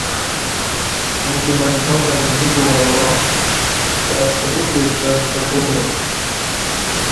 امکی منچاں تہ گجی کوبابا کائیستہ بوتہ شاستہ کودیوم